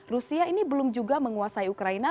rusia ini belum juga menguasai ukraina